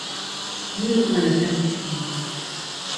Mu iqven efendiçkimi!